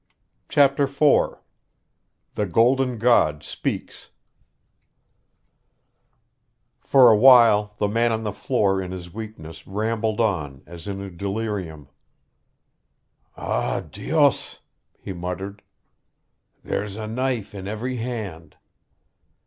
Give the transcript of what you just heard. CHAPTER IV The Golden God Speaks For a while the man on the floor in his weakness rambled on as in a delirium. "Ah, Dios!" he muttered. "There's a knife in every hand."